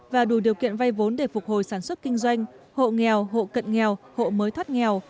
và đủ điều kiện vay vốn để phục hồi sản xuất kinh doanh hộ nghèo hộ cận nghèo hộ mới thoát nghèo